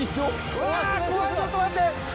うわ怖いちょっと待って。